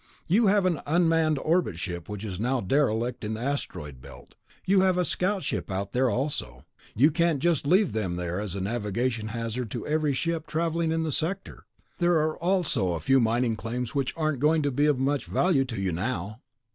"You have an unmanned orbit ship which is now a derelict in the Asteroid Belt. You have a scout ship out there also. You can't just leave them there as a navigation hazard to every ship traveling in the sector. There are also a few mining claims which aren't going to be of much value to you now."